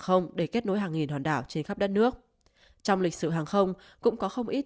không để kết nối hàng nghìn hòn đảo trên khắp đất nước trong lịch sử hàng không cũng có không ít